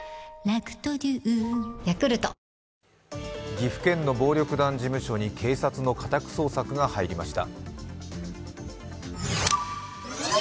岐阜県の暴力団事務所に警察の家宅捜索が入りました。